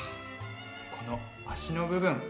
この脚の部分。